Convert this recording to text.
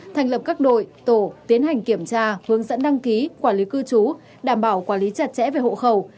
thành lập các đội tổ tiến hành kiểm tra hướng dẫn đăng ký quản lý cư trú đảm bảo quản lý chặt chẽ về hộ khẩu